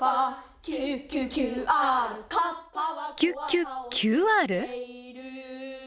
「キュッキュッＱＲ！」？